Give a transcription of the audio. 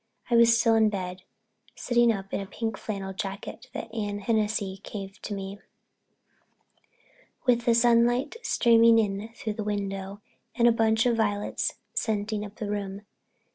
I was still in bed, sitting up in a pink flannel jacket that Anne Hennessey gave me, with the sunlight streaming in through the windows and a bunch of violets scenting up the room.